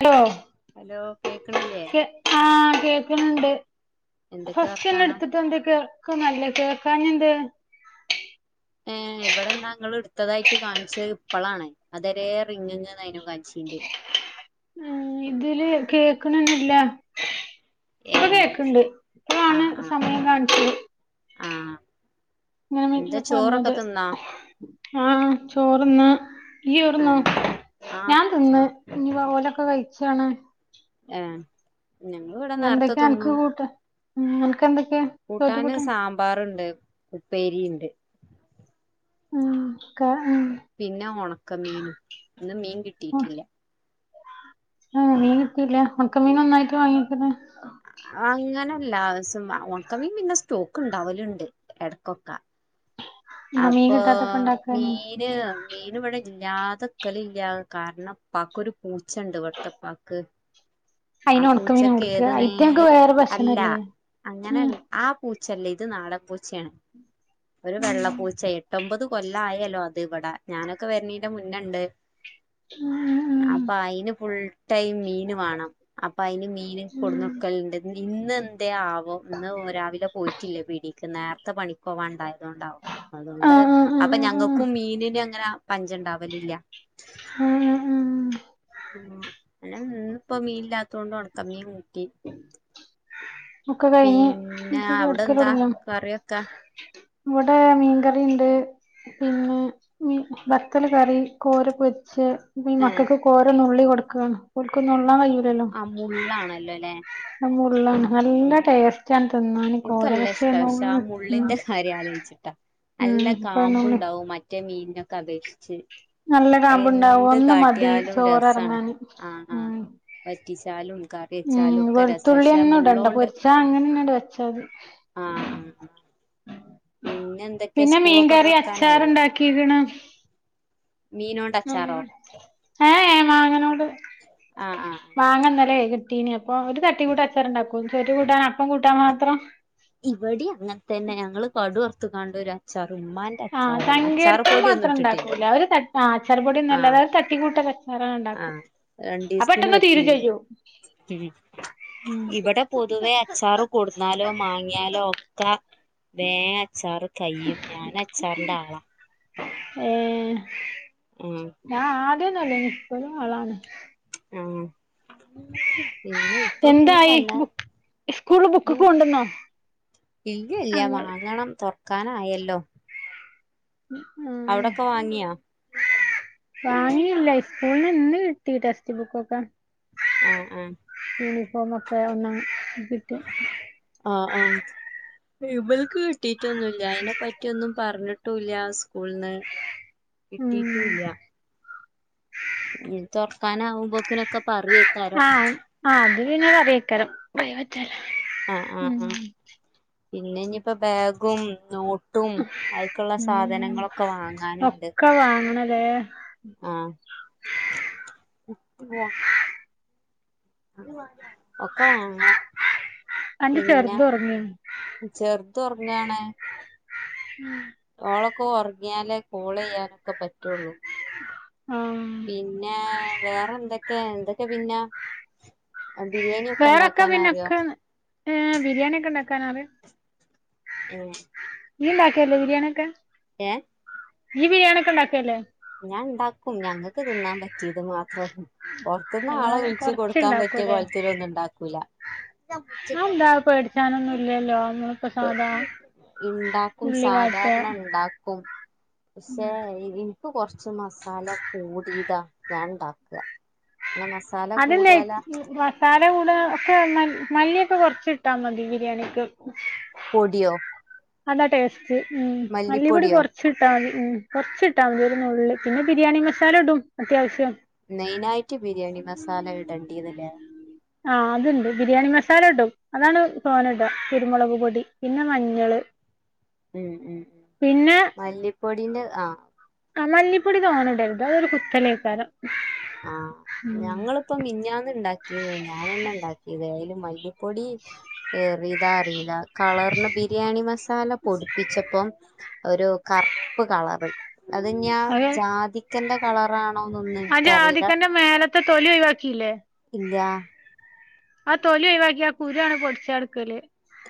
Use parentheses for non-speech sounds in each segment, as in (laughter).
Hello hello കേക്കണില്ലേ കേ ആഹ് കേക്ക്ന്ന്ണ്ട് എന്തൊക്കെ ഫസ്റ്റെന്നെ വർത്താനം എട്ത്തിട്ട്ണ്ട് കേൾക്ക്ന്നല്ല കേൾക്കാഞ്ഞെന്തേ ഏഹ് ഇവിടെന്നാ ഇങ്ങള് ഇട്ത്തതായിട്ട് കാണിച്ച ഇപ്പളാണ് അതരെ റിങ്ങ്ങ് യിനൂ കാണിച്ചിണ്ട് ഏഹ് ഇതില് കേ കേക്കണെന്നെല്ല ഏ ഇപ്പൊ കേക്ക്ണ്ട് ഇപ്പളാണ് സമയം കാണിച്ചത് ആഹ് ഇങ്ങനെ (unintelligible) വന്നത് ആഹ് ചോറ്ന്ന് ആ ഇയ്യോറ്ന്നോ ആ ഞാൻ ചോ തിന്ന് ഇഞ്ഞ് വാ ഓലോക്കെ കഴിച്ചാണ് ഏഹ് എന്തൊക്കെ അനക്ക് കൂട്ട് അനക്ക് എന്തൊക്കെ കൂട്ടാന് സാമ്പാറുണ്ട് ഉപ്പേരിണ്ട് ഉം കാ ഉം പിന്നെ ഒണക്ക മീനും ഇന്ന് മീൻ കിട്ടിയിട്ടില്ല ഏഹ് മീൻ കിട്ടില്ല ഒണക്ക മീൻ ഒന്നായിട്ട് വാങ്ങിക്കലാ അങ്ങനെ എല്ലാസം ഓണക്കമീൻ പിന്നെ സ്റ്റോക്ക് ഇണ്ടാവല്ണ്ട് എടക്കൊക്കെ എന്നാ മീൻ അപ്പൊ കിട്ടാത്തപ്പ മീ ഇണ്ടാക്കാന്ന് ൻ മീന് ഇവിടെ ഇല്ലാതെക്കല് ഇല്ലാ കാരണം ഇപ്പാക്കൊരു പൂച്ചയണ്ട് ഇവട്ത്തെ ഇപ്പാക്ക് അയിന് ഒണക്കമീനാ കൊട്ക്ക അയിറ്റങ്ങക്ക് നേരം വേറെ അല്ല ഭക്ഷണല്ലേ അങ്ങനെ ഉം ആ പൂച്ചല്ല ഇത് നാടൻ പൂച്ച്യാണ് ഒരു വെള്ള ഉം പൂച്ചേ എട്ട് ഒമ്പത് കൊല്ലായല്ലോ അത് ഇവടെ ഞാനൊക്കെ വരണീന്റെ മുന്നണ്ട് ഉം അപ്പൊ അയിന് ഫുൾ ടൈം മീന് വാണം അപ്പൊ അയിന് മീന് കൊട്ന്നൊട്ക്കല്ണ്ട് ഇന്ന് എന്തേ ആവം ഇന്ന് രാവിലെ പോയിട്ടില്ല പീടീക്ക് നേരത്തെ പണിക്കൊവണ്ടാ യതൊണ്ടാവും അതോണ്ട് ആഹ് ആഹ് അപ്പ ആഹ് ആഹ് ഞങ്ങക്കും മീനിന് അങ്ങനെ പഞ്ചണ്ടാവലില്ല ഉം ഉം ഉം ഉം അല്ല ഇന്ന്പ്പോ മീന് ഇല്ലാത്തൊണ്ട് ഒടക്ക മീൻ കൂട്ടി ഒക്കെ കഴിഞ്ഞ് പിന്നെ ഇജ്ജ് അവിടെ എന്താ കെടക്കലോടങ്യോ കറിയൊക്കെ ഇവടെ മീൻ കറിണ്ട് പിന്നെ മി ബത്തല് കറി, കോര പൊരിച്ചെ ഇപ്പെയീ ഏഹ് മക്കക്ക് കോര നുള്ളി കൊട്ക്കാണ് ഓൽക്ക് നുള്ളാൻ കയ്യുലല്ലോ മുള്ളാണല്ലോല്ലെ? മുള്ളാണ് നല്ല ടേസ് ഇൻക്കല്ലെഷ്ടാ പക്ഷെ ആ ഉം മുള്ളിന്റെ കാര്യ ആലോയ്ച്ചിട്ടാ ഉം നല്ല ഇപ്പ നുള്ളി കാമ്പുണ്ടാവും മറ്റേ മീൻനൊക്കെ അപേക്ഷിച്ച് നല്ല അത് കാമ്പ്ണ്ടാവും എന്ത് ഒന്ന് മതി കാട്ടിയാലും രസാണ് ചോറെറങ്ങാന് ആഹ് ഉം ആഹ് വറ്റിച്ചാലും കറി വെച്ചാലും ഒക്കെ രസാ പക്ഷെ ആ മുള് ണ്ട പൊരിച്ചാ അങ്ങനെന്നാണ്ട് വെച്ചാതി ആഹ് ആഹ് ആ പിന്നെന്തൊക്കെ സ്കൂളൊക്കെ തൊറക്കാനായിലേ? കിടണം മീനോണ്ട് അച്ചാറോ അങ്ങനെ ഏഹേ ഏ മാങ്ങനോട് ആഹ് ആഹ് മാങ്ങ ഇന്നലെ കിട്ടീനി അപ്പൊ ഒര് തട്ടികൂട്ടച്ചാറ്ണ്ടാക്കും ചോറ്റ്ക് കൂട്ടാൻ അപ്പം കൂട്ടാ മാത്രം ഇവടീം അങ്ങൻ തന്നെ ഞങ്ങള് പടു അർത്ത്ങ്ങാണ്ടൊരു അച്ചാ റ് ഇമ്മാന്റെ അച്ചാറാണ് അച്ചാറ് പൊടിയൊന്നും ഇട്ടിട്ടില്ല രാവിലെ തട് ആഹ് അച്ചാറ് പൊടിയൊന്നൊല്ലാതെ ആഹ് ഒര് തട്ടി കൂട്ട് അച്ചാറണ്ട്ണ്ടാക്കും ആഹ് ആ രണ്ടീസത്തിന് പെട്ടെന്ന് തീരും പറ്റിയത് ചെയ്യും (unintelligible) ഉം ഇവടെ പൊതുവെ അച്ചാറ് കൊട്ന്നാലൊ മാങ്ങിയാലൊ ഒക്കെ വേ അച്ചാറ് കയ്യും ഞാനച്ചാറിന്റാളാ ഏഹേ? ആഹ് ഞാ ആദ്യന്നൊല്ലേനി ഇപ്പഴും ആളാണ് ആഹ് പിന്നെയി എന്തായി ബുക് സ്കൂൾല് ബുകൊക്കെ ബു കൊണ്ടന്നൊ ഇല്ല ഇല്ല അഹ് ഇങ്ങള് വാങ്ങണം തൊറ് കാനായല്ലൊ? ആഹ് വാങ്ങിയാ വാങ്ങീല്ല സ്കൂൾന്ന് ഇന്ന് കിട്ടി ടെക്സ്റ്റ് ബുക്ക്ക്കെ ആഹ് ആഹ് യൂണിഫോമൊക്കെ ഒന്ന് കിട്ടി ആഹ് ആഹ് ഇബൽക്ക് കിട്ടീട്ടൊന്നുല്ല്യ അയിനെപ്പറ്റിയൊന്നും പർഞ്ട്ടൂല്ല്യ സ്കൂൾന്ന് ഉം കിട്ടീട്ടൂല്ല്യ ഇഞ്ഞ് തൊർക്കാനാവുമ്പോക്കിനൊക്കെ പറിയേ ആഹ് ആഹ് അത് പിന്നെ പറിയെക്കാരം പ്രൈവറ്റല്ലെ? ആഹ് ആഹ് ആഹ് പിന്നെ ഇഞിപ്പൊ ബാഗും, നോ ട്ടും അയ്ക്ക്ള്ള ഉം സാധനങ്ങളൊക്കെ വാങ്ങാനുംണ്ട് ഒക്കെ വാങ്ങണലേ? ആഹ് (unintelligible) ഒക്ക വാങ്ങണം അന്റെ പിന്ന ചെറുത് ഉറങ്ങിയോ ചെറ്തൊർങ്ങാണ് ഉം ഓളൊക്കൊറങ്ങിയാലെ കോളെയ്യാനൊക്കെ പറ്റൊള്ളു ആ പിന്നെ വേറെന്തെക്കെ എന്തൊക്കെ പിന്ന? വേറൊക്കെ പിന്നൊക്കെ ഏഹ് ബിരിയാണിയൊക്കെണ്ടാക്കാനറിം? ഏഹേ ഇയ്യ്ണ്ടാക്കേല്ല്യ ബിരിയാണിയൊക്കെ? എഹ് ഇയ്യ് ബിരിയാണിയെക്കെ ഇണ്ടാക്കേല്ലെ? ഞാ ഇണ്ടാക്കും ഞങ്ങക്ക് തിന്നാ പറ്റീത് മാത്രം പൊറത്ത്ന്ന് ആളെ അല്ലാതെ വിളിച്ച് കൊടുക്കാ പറ്റ്യ കോൽത്തില് ഒന്നും ഇണ്ടാക്കൂല്ല അ എന്താ പേടിച്ചാനൊന്നു ഇല്ലലോ പ് ഇണ്ടാക്കും വാട്ട സാധാര്ണ ഇണ്ടാ ക്കും പഷേ അയിരി പ്പൊ കൊറ്ച്ച് മസാല കൂടീത ഞാൻ ഇണ്ടാക്ക അനെ മസാ അതെല്ലെയ് (unintelligible) സാല കൂടെ ഒക്കെ മല്ല് മല്ലിയൊക്കെ കൊറച്ച് ഇട്ടാ മതി ബിരിയാണിക്ക് പൊടിയോ അതാ ടേസ്റ്റ് ഉം മല്ലിപൊടി മല്ലിപ്പൊടിയോ കൊറ്ച്ച് ച്ചിട്ടാ മതി ഉം കൊറ്ച്ചിട്ടാ മതി ഒരു നുള്ള് പിന്നെ ബിരിയാണി മസാല ഇടും അത്യാവശ്യം മെയിനായിട്ട് ബിരിയാണി മസാല ഇടെണ്ടിന്ന്ലേ ആഹ് അത് ണ്ട് ബിരിയാണി മസാല ഇടും അതാണ് തോന ഇടാ കുരുമുളക് പൊടി പിന്നെ മഞ്ഞള് ഉം ഉം പിന്നെ മല്ലിപ്പൊടിന്റെ ആഹ് ആഹ് മല്ലിപ്പൊടി തോനെ ഇടര്ത് അതൊരു കുത്തലേക്കാരം ആഹ് ഉം ഞങ്ങള് ഇപ്പം മിഞ്ഞാന്ന് ഇണ്ടാക്കീന്നു ഞാന ന്നെ ഇണ്ടാക്ക്യത് അയില് മല്ലിപ്പൊടീം ഏറീതാ അറീല്ല കളറ്ന് ബിരിയാണി മസാല പൊടിപ്പിച്ചപ്പം ഒര് കറ്പ്പ് കളറ് അത് ഇഞാഹ് അത് ജാതിക്കെന്റെ കളറാണൊ ഒന്നും ആ ജാതിക്കന്റെ മേലത്തെ തൊലി ഒഴിവാക്കിയില്ലേ ഇല്ല്യാ ആ തൊലി ഒഴിവാക്കി ആ കുരു ആണ് പൊടിച്ചാട്ക്കല്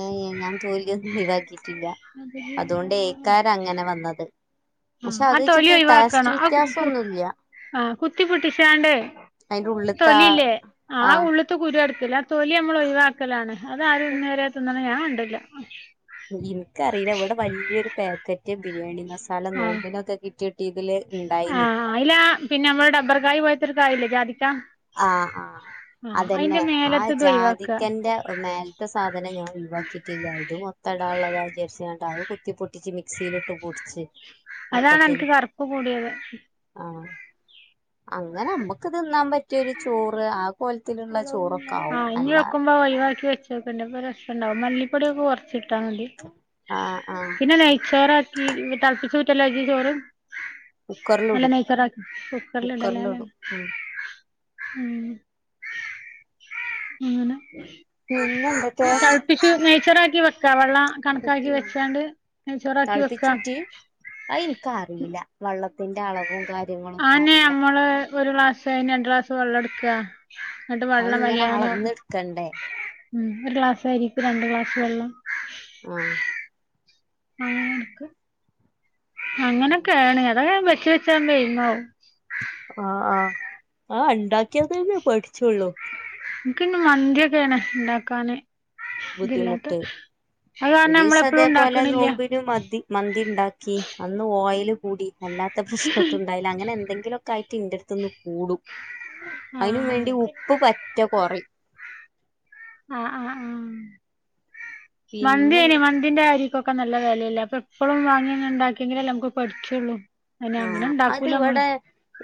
ഏഹ് ഞാൻ തൊല്യൊന്നും ഒഴിവാക്കിയിട്ടില്ല അതോണ്ടേ കാര അങ്ങനെ വന്നത് ആ പക്ഷെ ആ അത് വെച്ചിട്ട് ടേസ്റ്റ് വ്യത്യാസം ഒന്നുംല്ല ആഹ് കുത്തി പൊട്ടിച്ചാണ്ട് അയിന്റെ ഉള്ള്ത്തെ തൊലില്ലേ ആ ആഹ് ഉള്ള് ത്ത് കുരു എടുക്കല് ആ തൊലി അമ്മള് ഒയിവാക്കലാണ് അത് ആരും ഇന്നേ വരെ തിന്ന്ണെ ഞാൻ കണ്ട്ല്ല ഇൻക്കറീല ഇവടെ വല്യയൊരു പാക്കറ്റ് ബിരിയാണി മസാല ആ നോമ്പിനൊക്കെ കിറ്റ് ട്ടീ ഇതിൽ ഇണ്ടായിന്ന് ആയ്ലാ പിന്നെ അമ്മള് ഡബർകായി പോലെത്തൊ ഒരു കായില്ലേ ജാദിക്കാ ആഹ് ആ അതെന്നെ ആ മേലത്തത് ഒഴിവാക്കുക ജാതിക്കന്റെ മേൽ ത്ത സാധനം ഞാൻ ഒഴിവാക്കിയിട്ടില്ലാ ഇത് മൊത്തടാള്ളതാ വിജാരിചാണ്ട് അഹ് കുത്തി പൊട്ടിച്ച് മിക്സിയിലിട്ട് പൊടി ച്ച് അതാണ് അന്ക്ക് കറുപ്പ് കൂടിയത് ആഹ് അങ്ങനെ അമ്മക്ക് തിന്നാൻ പറ്റിയ ഒരു ചോറ് ആ പോല്ത്തിലുള്ള ചോറൊക്കെ ആവും അല്ല പോ ഒഴിവാക്കി വെചോക്കണ്ടീ അപ്പൊ രസണ്ടാവും മല്ലിപ്പൊടിക്കെ കുറച്ച്ട്ടാമതി ആഹ് ആഹ് പിന്നെ നെയ്ച്ചോറാക്കി തളപ്പിചൂറ്റലാ ഇജ്ജ് ചോറ് അല്ല കുക്കറിലിടും നെയ്ചോറാക്കി കുക്കറിലിടാലെ കുക്കറിലിടും ഉം ഉം അങ്ങനെ പിന്നെ അ എന്തൊക്കെ തളപ്പിച്ചു നെയ് ചോറാക്കി വെക്ക വെള്ള കണക്കാക്കി കുട്ടി വെച്ചാണ്ട് നൈചോറാക്കിവെക്കാ അ ഇൻക്അറീല വള്ളത്തിന്റെ അളവും കാര്യ ആനെ അമ്മള് ഒരു ക്ലാസ് അന് രണ്ട് ക്ലാസ് വെള്ളം എട്ക ഇന്നെട്ട് അത് വെള്ളം ഇങ്ങനെ വലിയാൻ അളന്നെടുക്കണ്ടേ ഉം ഒരു ക്ലാസ് അരിക്ക് രണ്ട് ക്ലാസ് വെള്ളം ആഹ് അങ്ങനെക്ക് അങ്ങനൊക്കേണ് അതാ വെച്ച് വെചാണ്ട് എയിമാവും ആഹ് ആഹ് ആ ഇണ്ടാക്കിയതെന്നേ പഠിച്ചുള്ളൂ ഇൻക്ക് പിന്നെ മന്തിയൊക്കേണ് ഇണ്ടാക്കാന് ഇതില്ലാത്തെ ബുദ്ധിമുട്ട് അത് കാരണം നമ്മളെപ്പളും ഒരീസതേപോലെ ഇണ്ടാക്ക്ണില്ല നോമ്പിനു മതി മന്തി ഇണ്ടാക്കി അന്ന് ഓയിൽ കൂടി അല്ലാത്ത പ്രശ്നക്കണ്ടായി ല അങ്ങനെ എന്തെങ്കിലും ഒക്കെ ആയിട്ട് ഇന്റെടുത്ത്ന്ന് കൂടും അയ് നും ആഹ് വേണ്ടി ഉപ്പ് പറ്റെ കൊറിം ആഹ് ആഹ് ആഹ് മന്തിയ്ൻ പിന്നെന്താ മന്തിന്റെ കാര്യക്കൊ ക്ക നല്ല വെലല്ലെ അപ്പൊ എപ്പോഴും വാങ്ങിയ ഉണ്ടാക്കിയെങ്കിലേ നമുക്ക് പഠിക്കയുള്ളൂ ആഹ് അത് ഇവടെ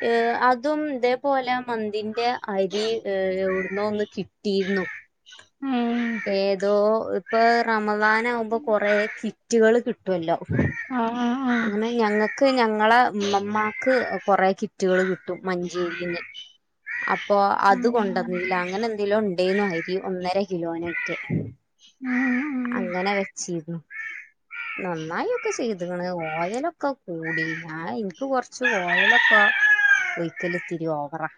ഏ അതും ഇതേപോലെ മന്തിന്റെ അരി എവിടുന്നോ ഒന്ന് കിട്ടിയിരുന്നു ആം ഏതോ ഇപ്പൊ റമളാൻ ആകുമ്പോ കൊറേ കിറ്റുകള് കിട്ടുമല്ലോ ആഹ് ആഹ് ആ അങ്ങനെ ഞങ്ങക്ക് ഞങ്ങളെ ഇമ്മാക്ക് കൊറെ കിറ്റുകൾ കിട്ടും മഞ്ചേരിന്ന് അപ്പൊ അത് ഉം കൊണ്ടന്നീല അങ്ങനെ എന്തിലോ ഉണ്ടേന്നു അരി ഒന്നര കിലോനെറ്റേ ആഹ് അങ്ങനെ വെച്ചിരുന്നു നന്നായി ഒക്കെ ചെയ്തക്ണ് ഓയലൊക്കെ കൂടി ഞാൻ ഇനിക്ക് കൊറച്ച് ഓയലൊക്കെ ഒയിക്കലിതിരി ഓവറാ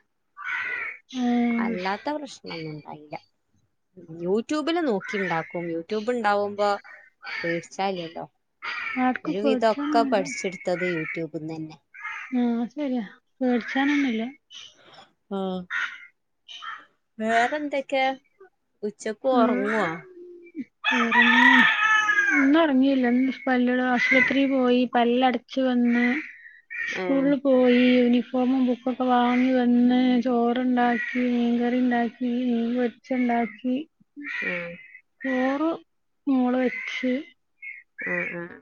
ഉം അല്ലാത്ത പ്രശ്നൊന്നുംണ്ടായില്ല യൂട്യൂബില് നോക്കിണ്ടാക്കും യൂട്യൂബ് ഉണ്ടാവുമ്പോ പേടിച് ആർക്കും ഒരു വിധമൊക്കെ പേടിച്ചാനൊന്നുല്ല പഠിച്ചെടുത്തത് യൂട്യൂബ്ന്ന് തന്നെ ആഹ് ശരിയാ പേടിച്ചാനൊന്നുല്ല ആഹ് വേറെ എന്തൊക്കെയാ ഉച്ചക്ക് ഉറങ്ങുവോ (unintelligible) ഇന്ന് ഉറങ്ങിയില്ല പല്ല് ആശുപത്രിൽ പോയി പല്ല് അടച്ചു വന്ന് സ്കൂളിൽ ! പോ ! ! ! ! ! ! ! ! ! യൂണിഫോമും ബുക്കൊക്കെ വാങ്ങി വന്ന് ചോറുണ്ടാക്കി മീൻകറി ഉണ്ടാക്കി ഇനി മീൻ ച്ച് ഉണ്ടാക്കി ആഹ് ചോറ് മോള് വെച്ച് ആഹ് ആഹ്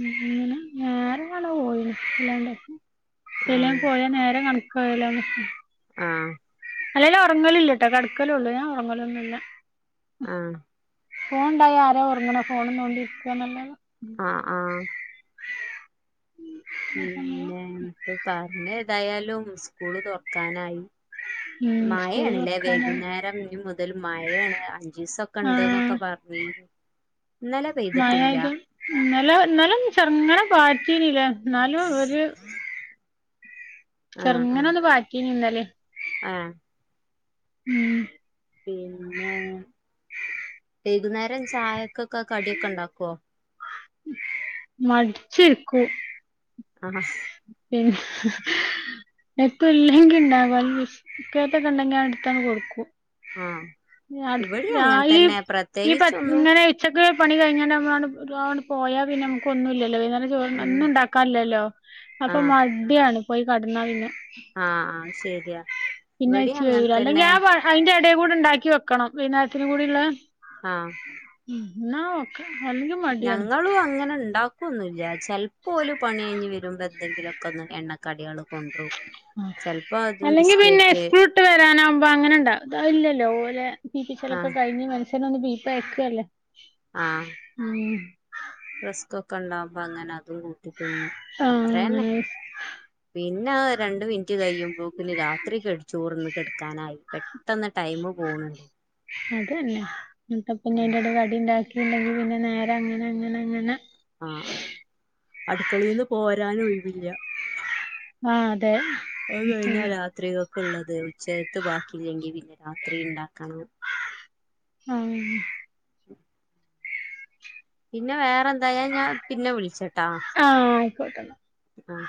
ഉം അങ്ങനെ ഞാൻ ഇന്നലെ പോയി ഏതിലെങ്കിലും ആഹ് പോയ നേരം കാണ കാവലാണ് ആഹ് അല്ലേലും ഉറങ്ങലില്ല ട്ടോ കിടക്കളൊള്ളൂ ഞാൻ ഉറങ്ങലൊന്നും ഇല്ല ആഹ് ഫോൺ ഉണ്ടായാൽ ആര ഉറങ്ങണ് ഫോണും തോണ്ടി ഇരിക്കുവാനല്ലാതേ ആഹ് ആഹ് പിന്നെ ഇപ്പൊ പറഞ്ഞ ഏതായാലും സ്കൂള് തുറക്കാനായി ഉം സ്കൂള് മഴആണല്ലേ തുറക്കാനായി വൈകുന്നേരം ഇനി മുതൽ മഴയാണ് അഞ്ചു ദിവസൊക്കെ ഉണ്ട് ആഹ് എന്നൊക്കെ പറഞ്ഞു ഞീനു മഴയാത് ഇന്നലെ എന്നാലും ചെറങ്ങനെ പാറ്റീനല്ലേ എന്നാലും ഒര് ആഹ് ചെറുങ്ങനെ ആഹ് ഒന്ന് പാറ്റീന് ഇന്നലെ ആഹ് ഉം പിന്നെ വൈകുന്നേരം ചായക്കൊക്കെ കടിയൊക്കെ ഉണ്ടാക്കുവോ മടിച്ചിരിക്കും ആഹ് പിന്നാ എത്തും ഇല്ലെങ്കിൽ ഉണ്ടാകും അല്ലെസ്‌ക്കറ്റ് ഒക്കെ ഉണ്ടെങ്കി അത്ട്ത്താണ്ട് കൊടുക്കും. ആഹ് ഞട് ഇവിടിം ഞാ അങ്ങനെ ഈ തന്നെ ഈ പ പ്രത്യേകിച്ചൊന്നും ഇങ്ങനെ വി ഉച്ചക്ക് പണി കഴഞ്ഞാണ്ട് നമ്മളാണ്ട് പോയാൽ പിന്നെ മുകൊന്നുലല്ലോ വൈന്നേരം ഉം ഒന്നും ഉണ്ടാക്കാൻ ഇല്ലല്ലോ അപ്പൊ ആഹ് മടിയാണ് പോയി കിടന്നാ പിന്നെ ആഹ് ആഹ് ശരിയാ പിന്നെ ഇവിടിം അയിച്ച് അങ്ങനെ കഴിയൂല അല്ലെങ്കി തന്നെ ആഹ് പ അയിന്റെ എടെ കൂടണ്ടാക്കി വെക്കണം. വെയ്ന്നേരത്തിനുകൂടി ഉള്ളേ ആഹ് ഉം ഇന്ന ഓക് ഞങ്ങളും അങ്ങനെ ഉണ്ടാക്കുന്നില്ല ചെൽപ്പോ ഓല് പണി കഴിഞ്ഞ് വരുമ്പോ എത്തെങ്കിലും ക്കൊന്ന് എണ്ണകടികളും കൊണ്ട്. രും ചെൽപ്പോ അതും ബിസ്കറ്റ് ഇട്ട് വരാനാവുമ്പോ അങ്ങനെണ്ടാ ഇത് അത് ഇല്ലല്ലോ ഓലെ തീച്ചിച്ചലക്കെ ആഹ് കഴിഞ്ഞ് ഷ്യനൊന്ന് ബീപ്പ് അയക്കല്ലേ ആഹ് ഉം റെസ്ക്കൊക്കെ ഉണ്ടാവുമ്പോ അങ്ങനെ അതും കൂട്ടി തീന്നും. ആഹ് അത്രന്നെ അങ്ങനെ പിന്നെ രണ്ട് മിനിറ്റ് കഴിയുമ്പോക്കിന് രാത്രി കെട് ചോറ്ന്ന് കെട്ക്കാനായി പെ ട്ടന്ന് ടൈം പോവ്ണ് അതന്നെ ഇൻതപം പിന്നെ അയിന്റെടെ കടി ഉണ്ടാക്കിണ്ടെങ്കി പിന്നെ നേരെ അങ്ങനെ അങ്ങനെ അങ്ങനെ ആഹ് ആഹ് അടുക്കളയിന്ന് പോരാനും ഒഴിവില്ല ആഹ് അതെ അത് കഴിഞ്ഞ രാത് ത്രികക്ള്ളത് ഉച്ചകത്തെ ബാക്കില്ലെങ്കിൽ പിന്നെ രാത്രി ഉഇണ്ടാക്കണം. ആഹ് പിന്നെ വേറെ എന്തായാ ഞാൻ പിന്നെ വിളിച്ചാട്ടാ ആഹ് അയിക്കോട്ടന്ന ആഹ്